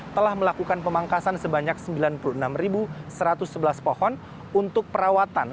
telah melakukan pemangkasan sebanyak sembilan puluh enam satu ratus sebelas pohon untuk perawatan